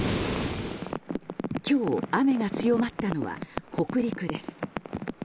今日、雨が強まったのは北陸です。